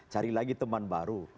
cari lagi teman baru